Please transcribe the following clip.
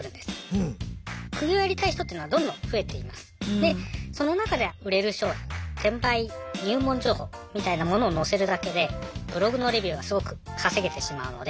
でその中で売れる商品転売入門情報みたいなものを載せるだけでブログのレビューがすごく稼げてしまうので。